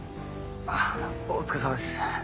あお疲れさまです。